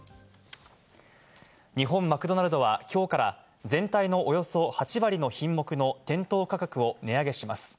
日本マクドナルドは今日から全体のおよそ８割の品目の店頭価格を値上げします。